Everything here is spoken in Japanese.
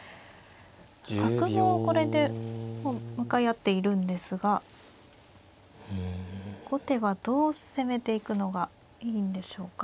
角もこれで向かい合っているんですが後手はどう攻めていくのがいいんでしょうか。